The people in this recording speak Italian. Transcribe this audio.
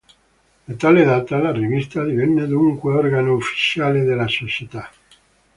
Da tale data, la Rivista divenne dunque l'organo ufficiale della Società.